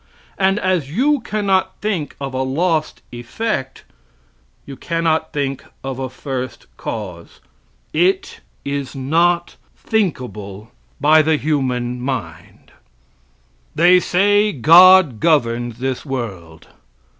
And as you cannot think of a lost effect, you cannot think of a first cause; it is not thinkable by the human mind. They say God governs this world.